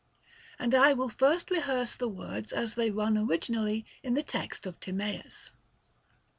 And I will first rehearse the words as they run originally in the text itself of Timaeus.